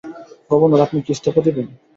Governor আপনি কি ইস্তফা দেবেন?